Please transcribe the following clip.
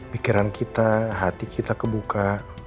pikiran kita hati kita kebuka